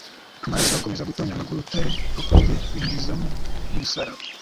amaraso akomeza gutonyaga ku rutare bacularye binjizamo umusaraba.